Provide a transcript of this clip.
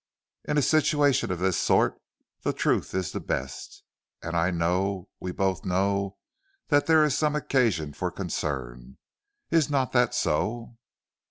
In a situation of this sort the truth is the best, and I know, we both know, that there is some occasion for concern. Is not that so?"